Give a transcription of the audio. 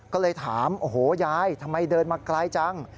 ก็เลยถามโอ้โหยายทำไมเดินมาไกลจัง